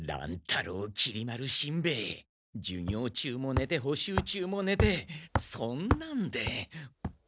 太郎きり丸しんべヱ授業中もねて補習中もねてそんなんでん？